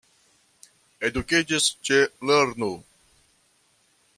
Edukiĝis ĉe lernu!